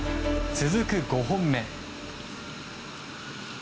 続く５本目。